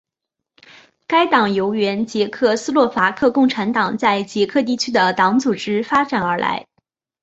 该党由原捷克斯洛伐克共产党在捷克地区的党组织发展而来。